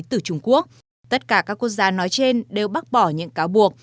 từ trung quốc tất cả các quốc gia nói trên đều bác bỏ những cáo buộc